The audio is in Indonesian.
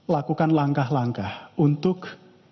lakukan langkah langkah untuk